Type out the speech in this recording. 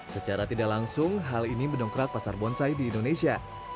secara tidak langsung hal ini mendongkrak pasar bonsai di indonesia